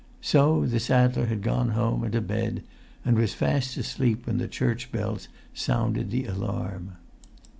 So the saddler had gone home and to bed, and was fast asleep when the church bells sounded the alarm.